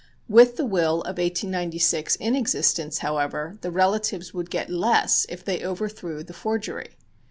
With the will of 1896 in existence, however, the relatives would get less if they overthrew the forgery.